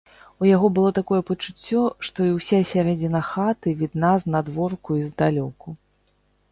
У яго было такое пачуццё, што і ўся сярэдзіна хаты відна знадворку і здалёку.